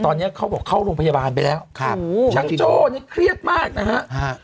ตอนนี้เขาบอกเข้าโรงพยาบาลไปแล้วครับช่างโจ้นี่เครียดมากนะฮะ